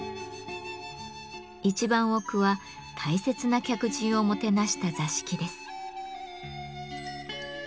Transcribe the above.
一番奥は大切な客人をもてなした座敷です。